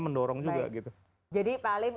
mendorong juga gitu jadi pak alim